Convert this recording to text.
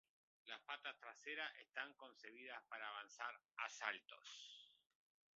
Las patas traseras están concebidas para avanzar a saltos.